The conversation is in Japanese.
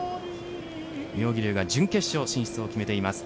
妙義龍準決勝進出を決めています。